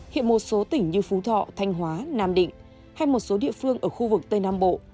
hiện một số tỉnh như phú thọ thanh hóa nam định hay một số địa phương ở khu vực tây nam bộ